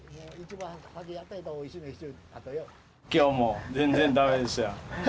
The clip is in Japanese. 今日も全然駄目でしたよ。